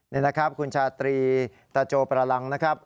นี่นะครับคุณชาตรีตาโจประลังนะครับ